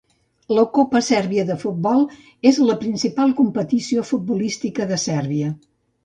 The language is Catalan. La copa sèrbia de futbol és la principal competició futbolística de Sèrbia.